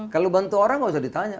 kalau bantu orang nggak usah ditanya